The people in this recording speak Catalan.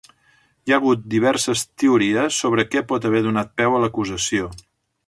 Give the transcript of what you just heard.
Hi ha hagut diverses teories sobre què pot haver donat peu a l'acusació.